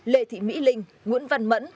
lê thị mỹ linh nguyễn văn mẫn